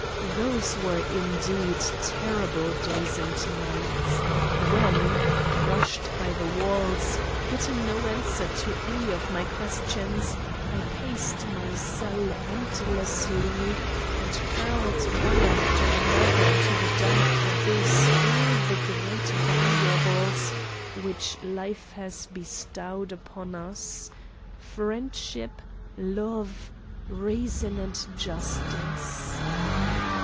Those were indeed terrible days and nights, when, crushed by the walls, getting no answer to any of my questions, I paced my cell endlessly and hurled one after another into the dark abyss all the great valuables which life has bestowed upon us: friendship, love, reason and justice.